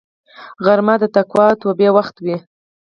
غرمه د تقوا او توبې وخت وي